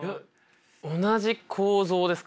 同じ構造ですか？